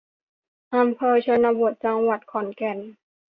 อำเภอชนบท จังหวัดขอนแก่น